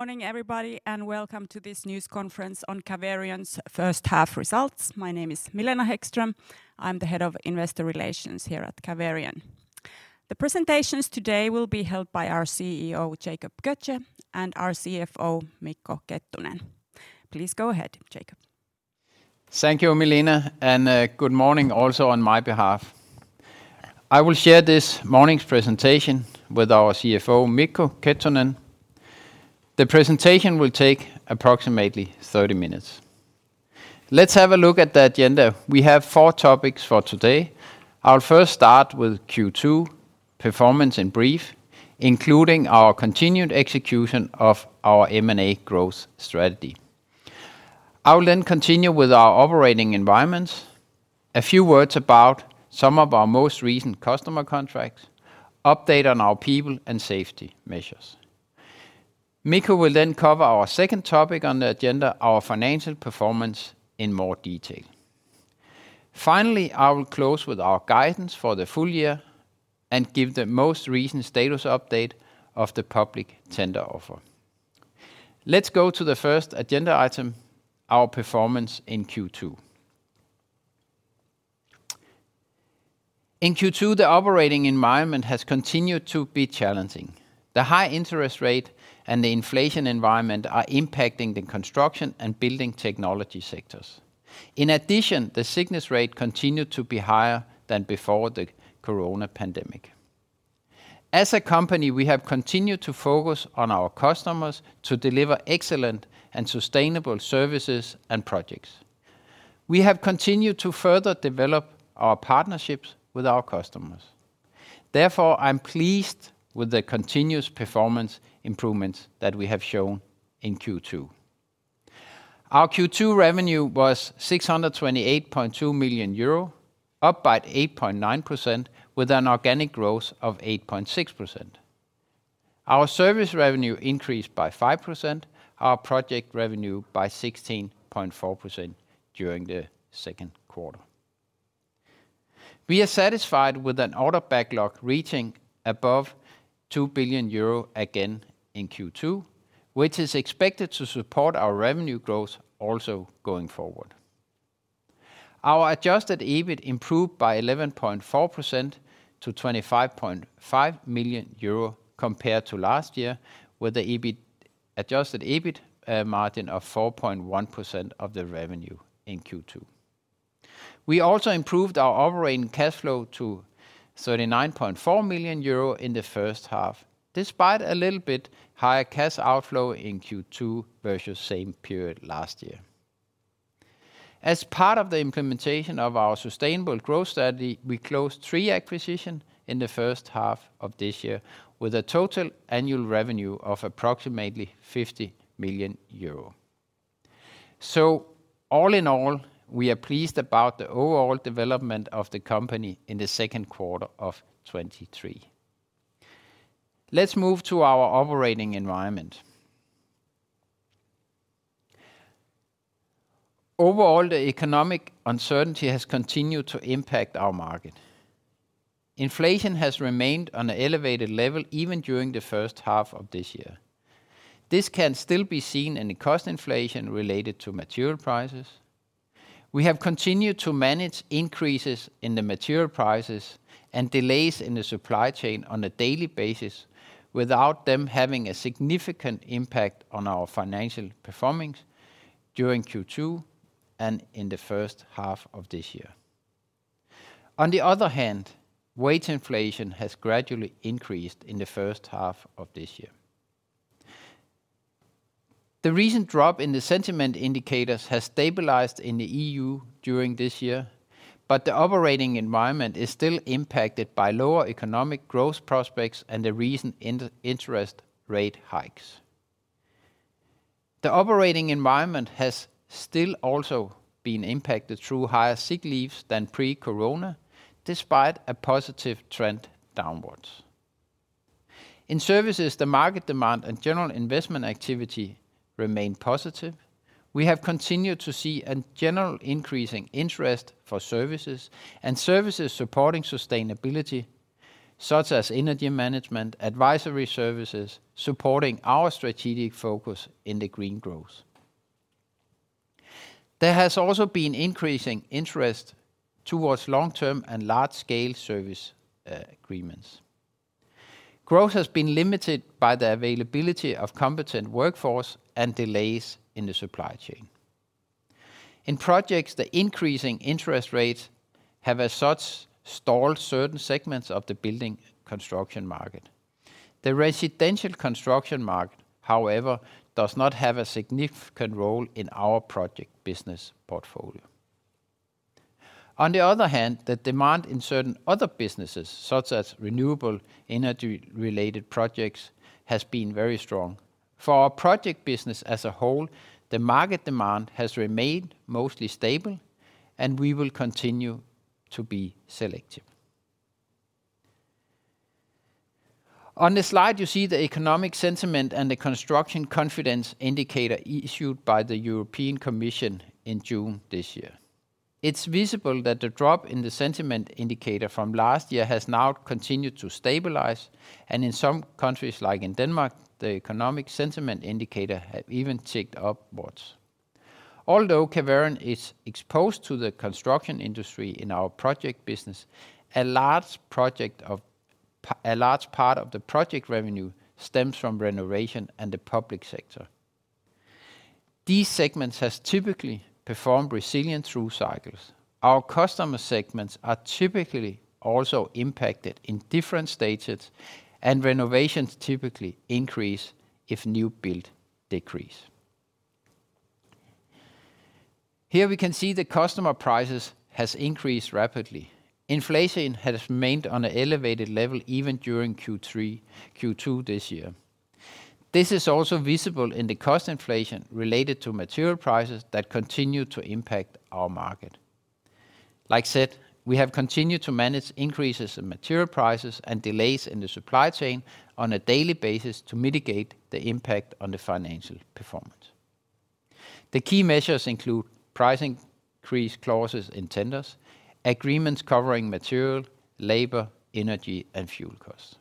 Morning, everybody. Welcome to this news conference on Caverion's first half results. My name is Milena Hæggström. I'm the Head of Investor Relations here at Caverion. The presentations today will be held by our CEO, Jacob Götzsche, and our CFO, Mikko Kettunen. Please go ahead, Jacob. Thank you, Milena, good morning also on my behalf. I will share this morning's presentation with our CFO, Mikko Kettunen. The presentation will take approximately 30 minutes. Let's have a look at the agenda. We have four topics for today. I'll first start with Q2 performance in brief, including our continued execution of our M&A growth strategy. I will continue with our operating environments, a few words about some of our most recent customer contracts, update on our people and safety measures. Mikko will cover our second topic on the agenda, our financial performance in more detail. I will close with our guidance for the full year and give the most recent status update of the public tender offer. Let's go to the first agenda item, our performance in Q2. In Q2, the operating environment has continued to be challenging. The high interest rate and the inflation environment are impacting the construction and building technology sectors. In addition, the sickness rate continued to be higher than before the Corona pandemic. As a company, we have continued to focus on our customers to deliver excellent and sustainable services and projects. We have continued to further develop our partnerships with our customers. I'm pleased with the continuous performance improvements that we have shown in Q2. Our Q2 revenue was 628.2 million euro, up by 8.9%, with an organic growth of 8.6%. Our service revenue increased by 5%, our project revenue by 16.4% during the second quarter. We are satisfied with an order backlog reaching above 2 billion euro again in Q2, which is expected to support our revenue growth also going forward. Our adjusted EBIT improved by 11.4% to 25.5 million euro compared to last year, with the EBIT, adjusted EBIT, margin of 4.1% of the revenue in Q2. We also improved our operating cash flow to 39.4 million euro in the first half, despite a little bit higher cash outflow in Q2 versus same period last year. As part of the implementation of our sustainable growth strategy, we closed three acquisition in the first half of this year, with a total annual revenue of approximately 50 million euro. All in all, we are pleased about the overall development of the company in the second quarter of 2023. Let's move to our operating environment. Overall, the economic uncertainty has continued to impact our market. Inflation has remained on an elevated level even during the first half of this year. This can still be seen in the cost inflation related to material prices. We have continued to manage increases in the material prices and delays in the supply chain on a daily basis, without them having a significant impact on our financial performance during Q2 and in the first half of this year. On the other hand, wage inflation has gradually increased in the first half of this year. The recent drop in the sentiment indicators has stabilized in the EU during this year, but the operating environment is still impacted by lower economic growth prospects and the recent interest rate hikes. The operating environment has still also been impacted through higher sick leaves than pre-corona, despite a positive trend downwards. In services, the market demand and general investment activity remain positive. We have continued to see a general increasing interest for services, and services supporting sustainability, such as energy management, advisory services, supporting our strategic focus in the green growth. There has also been increasing interest towards long-term and large-scale service agreements. Growth has been limited by the availability of competent workforce and delays in the supply chain. In projects, the increasing interest rates have as such stalled certain segments of the building construction market. The residential construction market, however, does not have a significant role in our project business portfolio. On the other hand, the demand in certain other businesses, such as renewable energy-related projects, has been very strong. For our project business as a whole, the market demand has remained mostly stable, and we will continue to be selective. On this slide, you see the economic sentiment and the construction confidence indicator issued by the European Commission in June this year. It's visible that the drop in the sentiment indicator from last year has now continued to stabilize, and in some countries, like in Denmark, the economic sentiment indicator have even ticked upwards. Although Caverion is exposed to the construction industry in our project business, a large part of the project revenue stems from renovation and the public sector. These segments has typically performed resilient through cycles. Our customer segments are typically also impacted in different stages, and renovations typically increase if new build decrease. Here we can see the customer prices has increased rapidly. Inflation has remained on an elevated level even during Q3, Q2 this year. This is also visible in the cost inflation related to material prices that continue to impact our market. Like said, we have continued to manage increases in material prices and delays in the supply chain on a daily basis to mitigate the impact on the financial performance. The key measures include price increase clauses in tenders, agreements covering material, labor, energy, and fuel costs.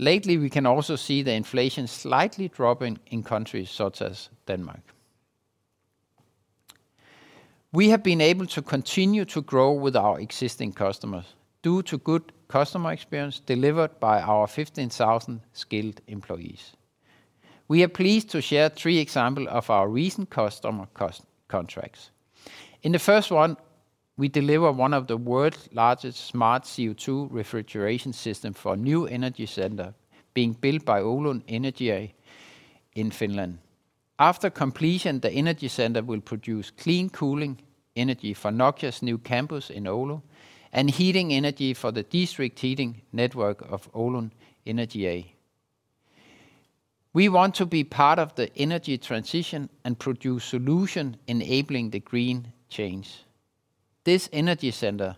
Lately, we can also see the inflation slightly dropping in countries such as Denmark. We have been able to continue to grow with our existing customers due to good customer experience delivered by our 15,000 skilled employees. We are pleased to share three example of our recent customer cost contracts. In the first one, we deliver one of the world's largest smart CO2 refrigeration system for a new energy center being built by Oulun Energia in Finland. After completion, the energy center will produce clean cooling energy for Nokia's new campus in Oulu and heating energy for the district heating network of Oulun Energia. We want to be part of the energy transition and produce solution enabling the green change. This energy center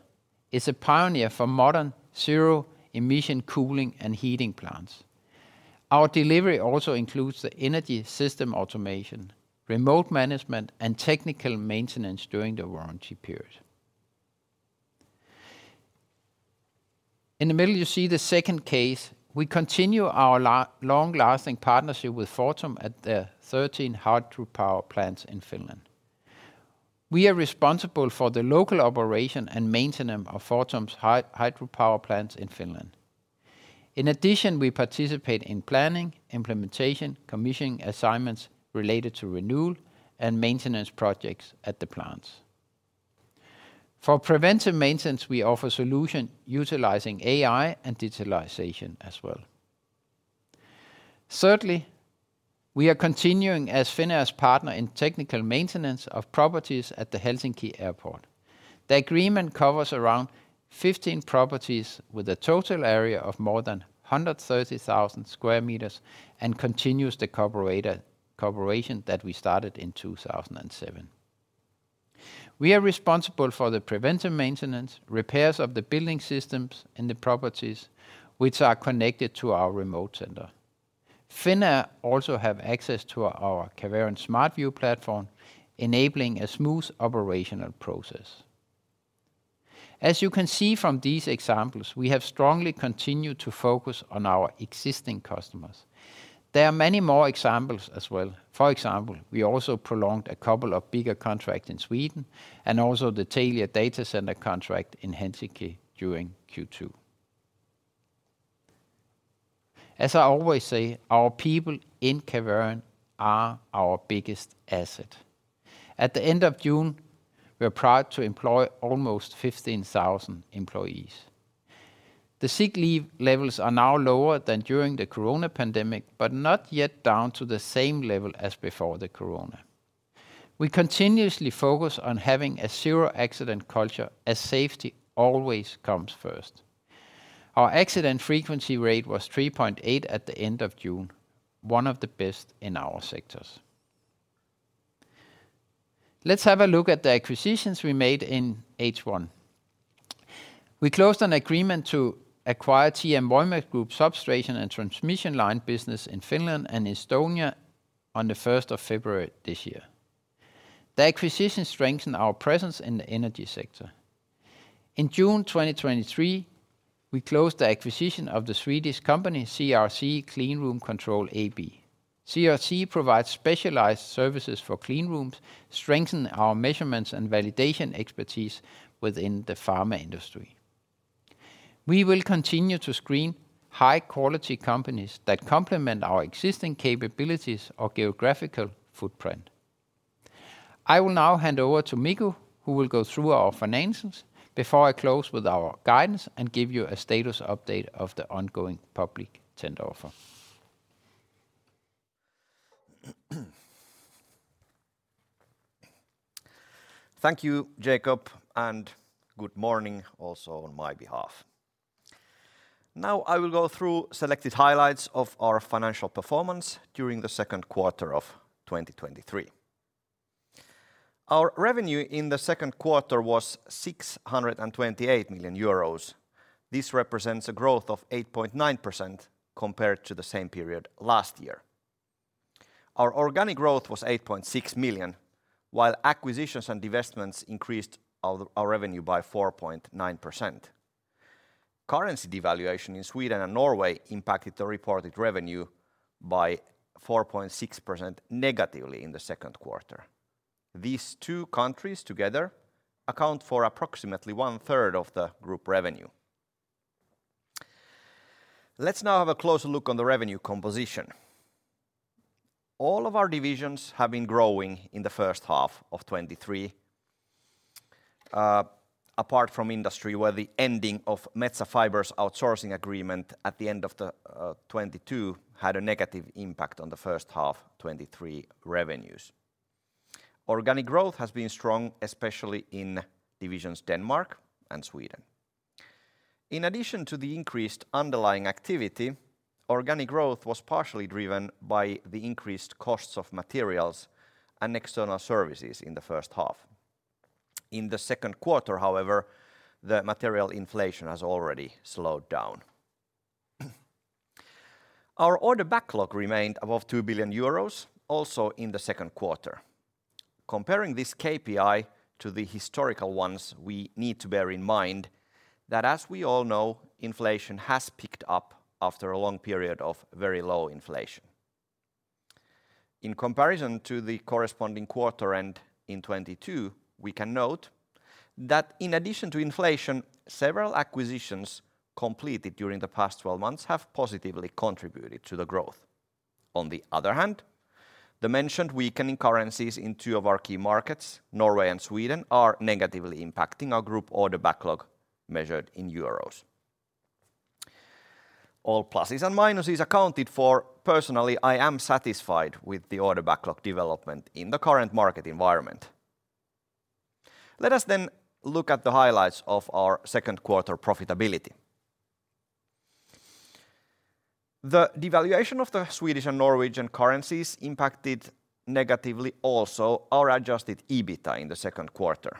is a pioneer for modern zero-emission cooling and heating plants. Our delivery also includes the energy system automation, remote management, and technical maintenance during the warranty period. In the middle, you see the second case. We continue our long-lasting partnership with Fortum at their 13 hydropower plants in Finland. We are responsible for the local operation and maintenance of Fortum's hydropower plants in Finland. In addition, we participate in planning, implementation, commissioning assignments related to renewal and maintenance projects at the plants. For preventive maintenance, we offer solution utilizing AI and digitalization as well. Thirdly, we are continuing as Finavia's partner in technical maintenance of properties at the Helsinki Airport. The agreement covers around 15 properties with a total area of more than 130,000 sq m and continues the cooperation that we started in 2007. We are responsible for the preventive maintenance, repairs of the building systems, and the properties which are connected to our remote center. Finavia also have access to our Caverion SmartView platform, enabling a smooth operational process. As you can see from these examples, we have strongly continued to focus on our existing customers. There are many more examples as well. For example, we also prolonged a couple of bigger contract in Sweden and also the Telia data center contract in Helsinki during Q2. As I always say, our people in Caverion are our biggest asset. At the end of June, we are proud to employ almost 15,000 employees. The sick leave levels are now lower than during the corona pandemic, but not yet down to the same level as before the corona. We continuously focus on having a zero-accident culture, as safety always comes first. Our accident frequency rate was 3.8 at the end of June, one of the best in our sectors. Let's have a look at the acquisitions we made in H1. We closed an agreement to acquire TM Voima Group substation and transmission line business in Finland and Estonia on the 1st of February this year. The acquisition strengthened our presence in the energy sector. In June 2023, we closed the acquisition of the Swedish company CRC Cleanroom Control AB. CRC provides specialized services for clean rooms, strengthen our measurements and validation expertise within the pharma industry. We will continue to screen high-quality companies that complement our existing capabilities or geographical footprint. I will now hand over to Mikko, who will go through our financials before I close with our guidance and give you a status update of the ongoing public tender offer. Thank you, Jacob. Good morning also on my behalf. Now, I will go through selected highlights of our financial performance during the second quarter of 2023. Our revenue in the second quarter was 628 million euros. This represents a growth of 8.9% compared to the same period last year. Our organic growth was 8.6 million, while acquisitions and divestments increased our revenue by 4.9%. Currency devaluation in Sweden and Norway impacted the reported revenue by 4.6% negatively in the second quarter. These two countries together account for approximately 1/3 of the group revenue. Let's now have a closer look on the revenue composition. All of our divisions have been growing in the first half of 2023, apart from industry, where the ending of Metsä Fibre's outsourcing agreement at the end of the 2022 had a negative impact on the first half 2023 revenues. Organic growth has been strong, especially in divisions Denmark and Sweden. In addition to the increased underlying activity, organic growth was partially driven by the increased costs of materials and external services in the first half. In the second quarter, however, the material inflation has already slowed down. Our order backlog remained above 2 billion euros also in the second quarter. Comparing this KPI to the historical ones, we need to bear in mind that, as we all know, inflation has picked up after a long period of very low inflation. In comparison to the corresponding quarter end in 2022, we can note that in addition to inflation, several acquisitions completed during the past 12 months have positively contributed to the growth. On the other hand, the mentioned weakening currencies in 2 of our key markets, Norway and Sweden, are negatively impacting our group order backlog, measured in euros. All pluses and minuses accounted for, personally, I am satisfied with the order backlog development in the current market environment. Let us then look at the highlights of our second quarter profitability. The devaluation of the Swedish and Norwegian currencies impacted negatively also our adjusted EBITA in the second quarter.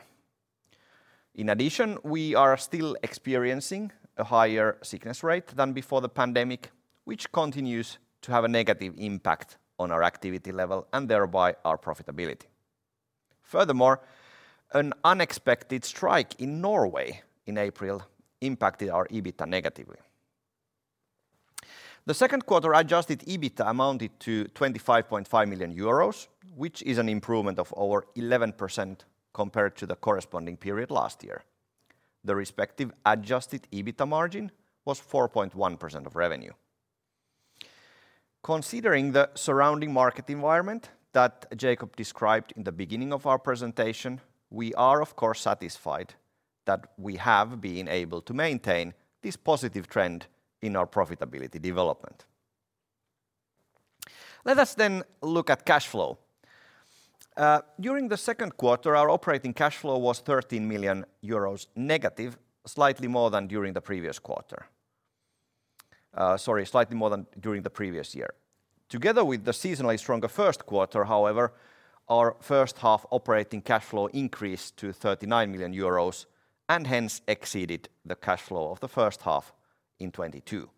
In addition, we are still experiencing a higher sickness rate than before the pandemic, which continues to have a negative impact on our activity level and thereby our profitability. An unexpected strike in Norway in April impacted our EBITA negatively. The second quarter adjusted EBITA amounted to 25.5 million euros, which is an improvement of over 11% compared to the corresponding period last year. The respective adjusted EBITA margin was 4.1% of revenue. Considering the surrounding market environment that Jacob described in the beginning of our presentation, we are, of course, satisfied that we have been able to maintain this positive trend in our profitability development. Let us look at cash flow. During the second quarter, our operating cash flow was 13 million euros negative, slightly more than during the previous quarter. Sorry, slightly more than during the previous year. Together with the seasonally stronger first quarter, however, our first half operating cash flow increased to 39 million euros and hence exceeded the cash flow of the first half in 2022.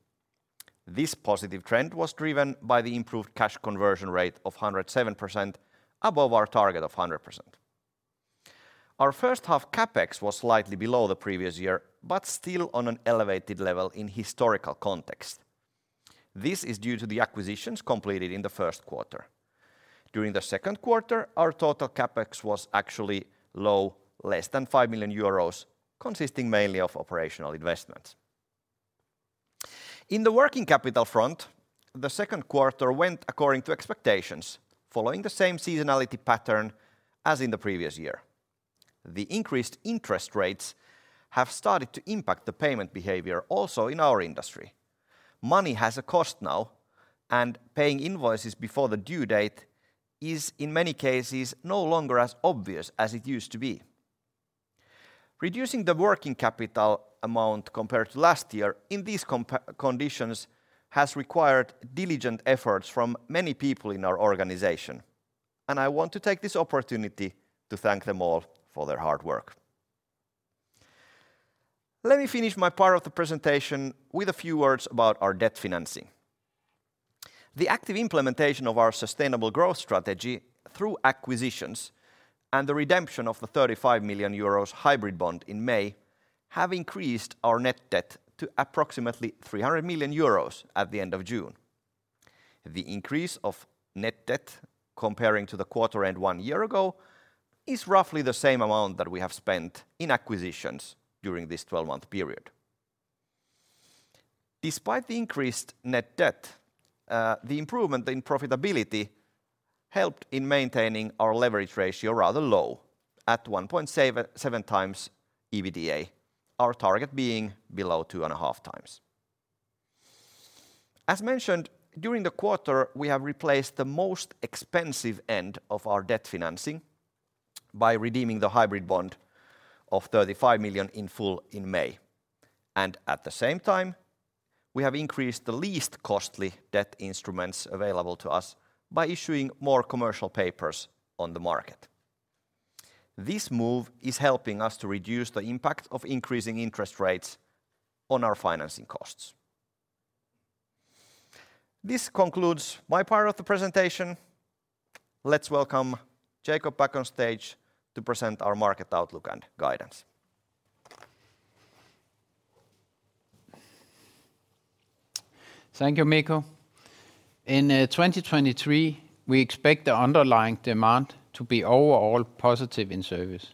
This positive trend was driven by the improved cash conversion rate of 107% above our target of 100%. Our first half CapEx was slightly below the previous year, but still on an elevated level in historical context. This is due to the acquisitions completed in the first quarter. During the second quarter, our total CapEx was actually low, less than 5 million euros, consisting mainly of operational investments. In the working capital front, the second quarter went according to expectations, following the same seasonality pattern as in the previous year. The increased interest rates have started to impact the payment behavior also in our industry. Money has a cost now, paying invoices before the due date is, in many cases, no longer as obvious as it used to be. Reducing the working capital amount compared to last year in these conditions has required diligent efforts from many people in our organization, and I want to take this opportunity to thank them all for their hard work. Let me finish my part of the presentation with a few words about our debt financing. The active implementation of our sustainable growth strategy through acquisitions and the redemption of the 35 million euros hybrid bond in May have increased our net debt to approximately 300 million euros at the end of June. The increase of net debt comparing to the quarter end one year ago is roughly the same amount that we have spent in acquisitions during this 12-month period. Despite the increased net debt, the improvement in profitability helped in maintaining our leverage ratio rather low at 1.7x EBIDA, our target being below 2.5x. As mentioned, during the quarter, we have replaced the most expensive end of our debt financing by redeeming the hybrid bond of 35 million in full in May, and at the same time, we have increased the least costly debt instruments available to us by issuing more commercial papers on the market. This move is helping us to reduce the impact of increasing interest rates on our financing costs. This concludes my part of the presentation. Let's welcome Jacob back on stage to present our market outlook and guidance. Thank you, Mikko. In 2023, we expect the underlying demand to be overall positive in service.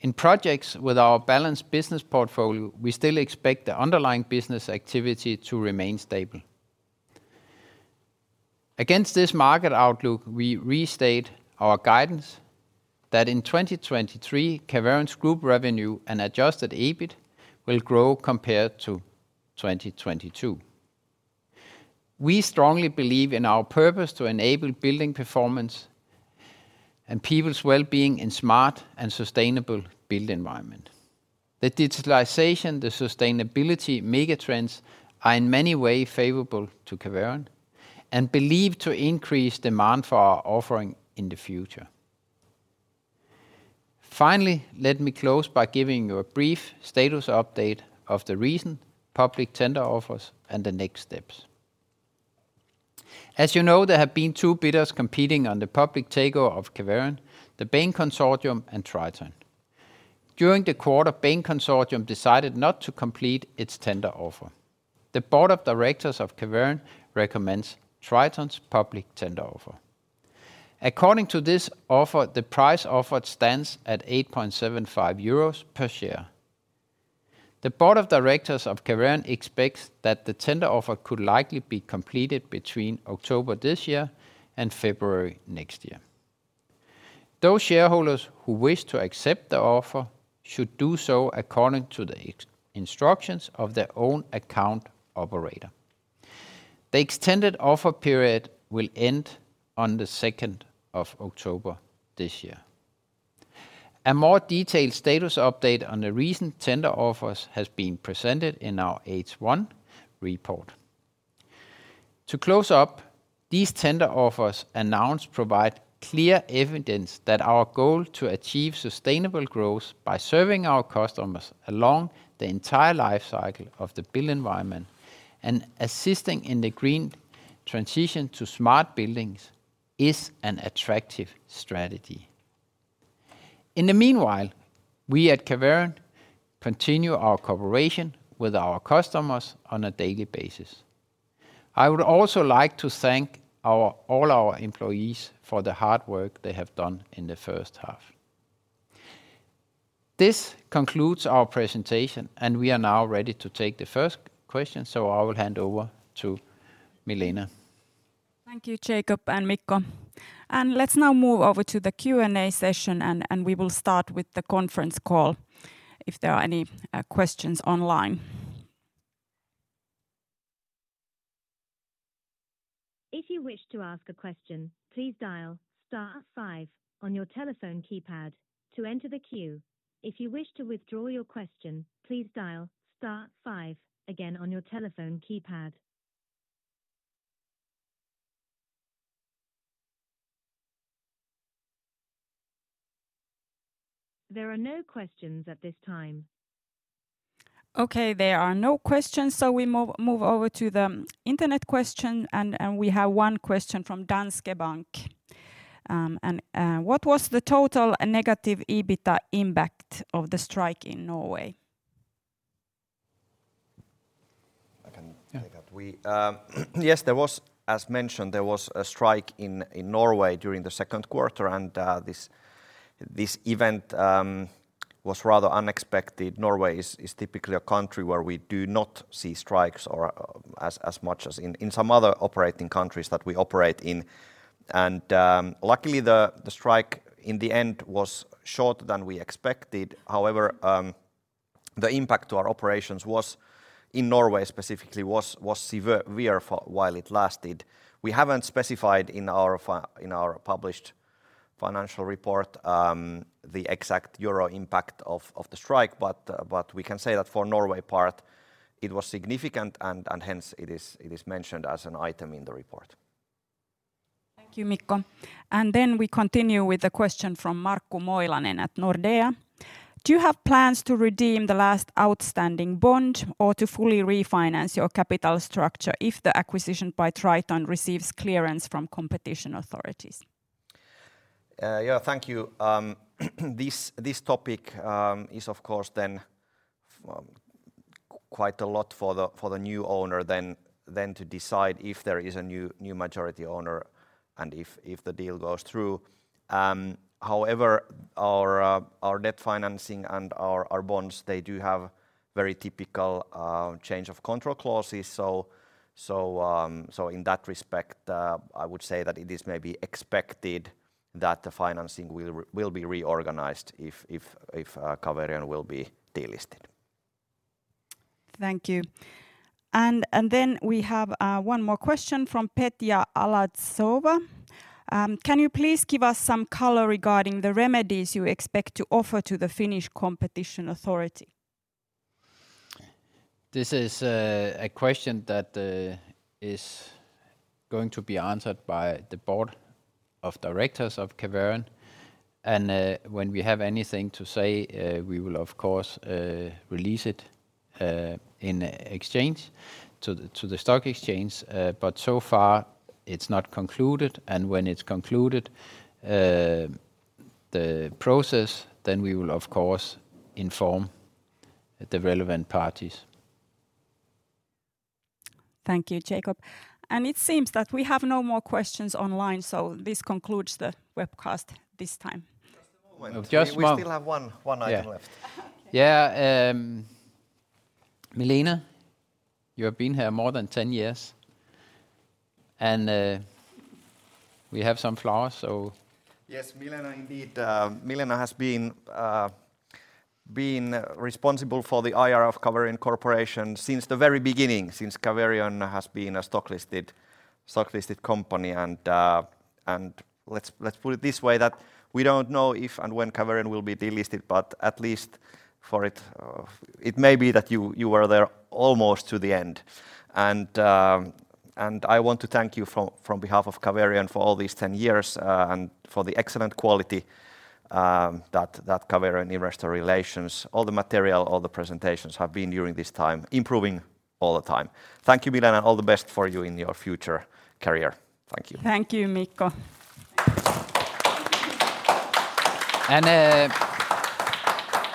In projects with our balanced business portfolio, we still expect the underlying business activity to remain stable. Against this market outlook, we restate our guidance that in 2023, Caverion's group revenue and adjusted EBIT will grow compared to 2022. We strongly believe in our purpose to enable building performance and people's wellbeing in smart and sustainable build environment. The digitalization, the sustainability megatrends, are in many way favorable to Caverion and believe to increase demand for our offering in the future. Finally, let me close by giving you a brief status update of the recent public tender offers and the next steps. As you know, there have been two bidders competing on the public takeover of Caverion: the Bain Consortium and Triton. During the quarter, Bain Consortium decided not to complete its tender offer. The board of directors of Caverion recommends Triton's public tender offer. According to this offer, the price offered stands at 8.75 euros per share. The board of directors of Caverion expects that the tender offer could likely be completed between October this year and February next year. Those shareholders who wish to accept the offer should do so according to the instructions of their own account operator. The extended offer period will end on the second of October this year. A more detailed status update on the recent tender offers has been presented in our H1 report. To close up, these tender offers announced provide clear evidence that our goal to achieve sustainable growth by serving our customers along the entire life cycle of the build environment and assisting in the green transition to smart buildings, is an attractive strategy. In the meanwhile, we at Caverion continue our cooperation with our customers on a daily basis. I would also like to thank all our employees for the hard work they have done in the first half. This concludes our presentation. We are now ready to take the first question. I will hand over to Milena. Thank you, Jacob and Mikko. Let's now move over to the Q&A session, and we will start with the conference call if there are any questions online. If you wish to ask a question, please dial star five on your telephone keypad to enter the queue. If you wish to withdraw your question, please dial star five again on your telephone keypad. There are no questions at this time. There are no questions, we move over to the internet question, and we have one question from Danske Bank. What was the total negative EBITA impact of the strike in Norway? I can- Yeah... take that. We, yes, there was, as mentioned, there was a strike in Norway during the second quarter, and this, this event was rather unexpected. Norway is, is typically a country where we do not see strikes or as, as much as in, in some other operating countries that we operate in. Luckily, the, the strike in the end was shorter than we expected. However, the impact to our operations was, in Norway specifically, was, was severe for while it lasted. We haven't specified in our published financial report the exact euro impact of, of the strike, but we can say that for Norway part, it was significant, and hence it is, it is mentioned as an item in the report. Thank you, Mikko. Then we continue with the question from Markku Moilanen at Nordea. Do you have plans to redeem the last outstanding bond or to fully refinance your capital structure if the acquisition by Triton receives clearance from competition authorities? Yeah, thank you. This, this topic, is, of course, then, quite a lot for the, for the new owner than, than to decide if there is a new, new majority owner and if, if the deal goes through. However, our, our debt financing and our, our bonds, they do have very typical, change of control clauses. In that respect, I would say that it is maybe expected that the financing will be reorganized if, if, if, Caverion will be delisted. Thank you. Then we have one more question from Petya Aladova. Can you please give us some color regarding the remedies you expect to offer to the Finnish Competition Authority?... This is, a question that, is going to be answered by the board of directors of Caverion. When we have anything to say, we will, of course, release it, in exchange to the, to the stock exchange. So far, it's not concluded, and when it's concluded, the process, then we will, of course, inform the relevant parties. Thank you, Jacob. It seems that we have no more questions online, so this concludes the webcast this time. Just a moment. Just one- We still have one, one item left. Yeah. Yeah, Milena, you have been here more than 10 years. We have some flowers, so... Yes, Milena, indeed, Milena has been responsible for the IR of Caverion Corporation since the very beginning, since Caverion has been a stock-listed, stock-listed company. Let's, let's put it this way, that we don't know if and when Caverion will be delisted, but at least for it... It may be that you, you were there almost to the end. I want to thank you from, from behalf of Caverion for all these 10 years, and for the excellent quality that, that Caverion investor relations, all the material, all the presentations have been during this time, improving all the time. Thank you, Milena, all the best for you in your future career. Thank you. Thank you, Mikko.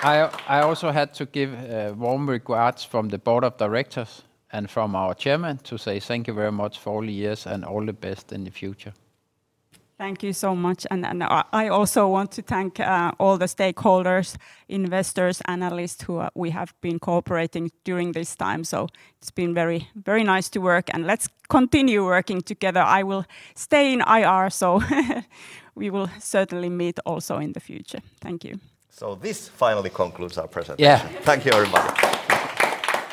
I, I also had to give warm regards from the board of directors and from our chairman to say thank you very much for all the years, and all the best in the future. Thank you so much. I also want to thank all the stakeholders, investors, analysts who we have been cooperating during this time. It's been very, very nice to work, and let's continue working together. I will stay in IR, we will certainly meet also in the future. Thank you. This finally concludes our presentation. Yeah. Thank you very much.